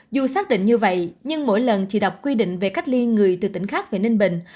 dù xác định như vậy nhưng mỗi lần chị đọc quy định về cách ly người từ tỉnh khác về ninh bình